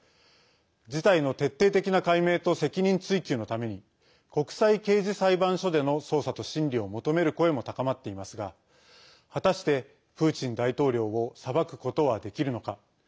事態の徹底的な解明と責任追及のために国際刑事裁判所での捜査と審理を求める声も高まっていますが果たして、プーチン大統領を裁くことはできるのか。